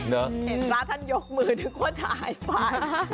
เห็นพระท่านยกมือนึกว่าถ่ายไป